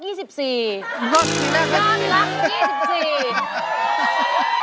ยอดรัก๒๔